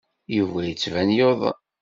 Yuba yettban yuḍen.